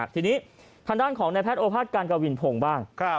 ทีนี้ทางด้านของนายแพทย์โอภาษการกวินพงศ์บ้าง